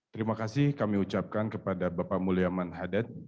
terima kasih kami ucapkan kepada bapak mulyaman hadad